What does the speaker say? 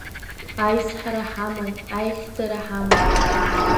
Аизҳара ҳаман, аихьӡара ҳаман!